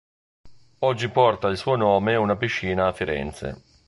Oggi porta il suo nome una piscina a Firenze.